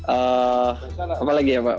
apa lagi ya pak